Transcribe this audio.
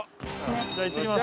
じゃあいってきます。